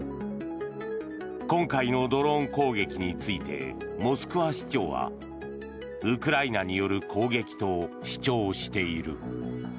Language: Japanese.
今回のドローン攻撃についてモスクワ市長はウクライナによる攻撃と主張している。